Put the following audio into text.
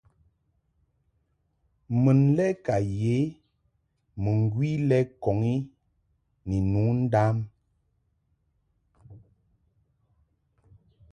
Mun lɛ ka yə mɨŋgwi lɛ ŋkɔŋ i ni nu ndam.